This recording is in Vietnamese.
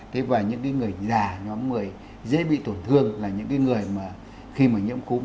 thế và những cái người già nhóm người dễ bị tổn thương là những cái người mà khi mà nhiễm cúm